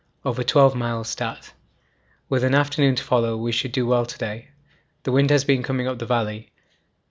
over 12 miles stat. With an afternoon to follow we should do well to day; the wind has been coming up the valley.